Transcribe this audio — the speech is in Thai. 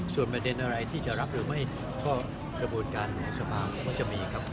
ส่วนประเด็นอะไรที่จะรับหรือไม่ก็กระบวนการของสภาก็จะมีครับ